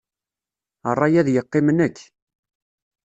Ṛṛay ad yeqqim nnek.